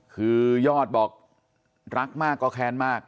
คือยอดบอกรักมากก็แค้นมาก